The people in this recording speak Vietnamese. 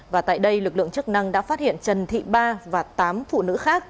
và tại đây lực lượng chức năng đã phát hiện trần thị ba và tám phụ nữ khác